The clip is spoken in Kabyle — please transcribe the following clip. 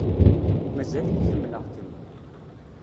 Mazal-iyi ḥemmleɣ-kem.